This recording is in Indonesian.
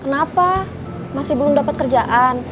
kenapa masih belum dapat kerjaan